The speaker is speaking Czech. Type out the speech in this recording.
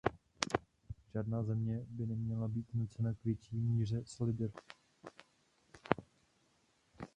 Žádná země by neměla být nucena k větší míře solidarity.